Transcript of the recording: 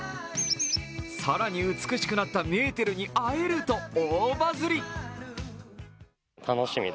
さらに美しくなったメーテルに会えると大バズり。